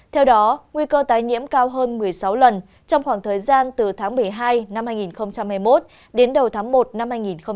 theo đó nguy cơ tái nhiễm cao hơn một mươi sáu lần trong khoảng thời gian từ tháng một mươi hai năm hai nghìn hai mươi một đến đầu tháng một năm hai nghìn hai mươi